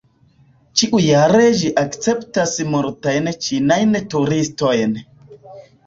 Ĉiujare ĝi akceptas multajn ĉinajn turistojn.